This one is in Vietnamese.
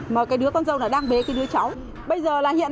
mà con dâu cũng bị thương cháu nội cũng bị thương